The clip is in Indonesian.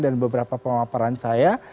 dan beberapa pemaparan saya